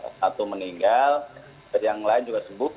satu meninggal dan yang lain juga sembuh